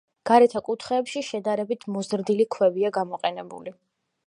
გარეთა კუთხეებში შედარებით მოზრდილი ქვებია გამოყენებული.